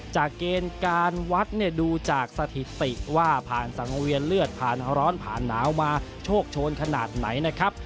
เกณฑ์การวัดเนี่ยดูจากสถิติว่าผ่านสังเวียนเลือดผ่านร้อนผ่านหนาวมาโชคโชนขนาดไหนนะครับ